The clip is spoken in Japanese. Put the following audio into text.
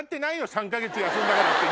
３か月休んだからって！